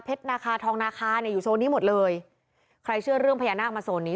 นาคาทองนาคาเนี่ยอยู่โซนนี้หมดเลยใครเชื่อเรื่องพญานาคมาโซนนี้